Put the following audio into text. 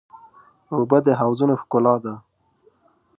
اوبه د حوضونو ښکلا ده.